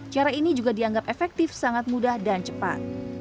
cara ini juga dianggap efektif sangat mudah dan cepat